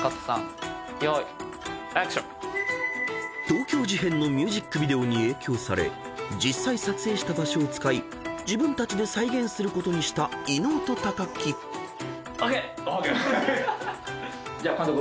［東京事変のミュージックビデオに影響され実際撮影した場所を使い自分たちで再現することにした伊野尾と木］じゃあ監督